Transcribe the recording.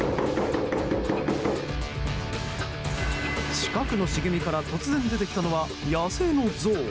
近くの茂みから突然出てきたのは野生のゾウ。